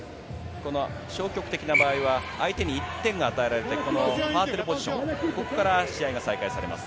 消極的な場合は相手に１点が与えられて、パークルポジション、ここから試合が再開されます。